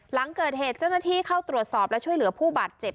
หลังเกิดเหตุเจ้าหน้าที่เข้าตรวจสอบและช่วยเหลือผู้บาดเจ็บ